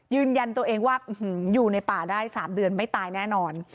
ยืนยันตัวเองว่าอยู่ในป่าได้๓เดือนไม่ตายแน่นอน